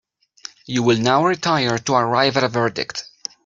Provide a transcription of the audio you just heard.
You will now retire to arrive at a verdict.